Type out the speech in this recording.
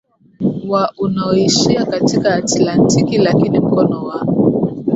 wa unaoishia katika Atlantiki Lakini mkono wa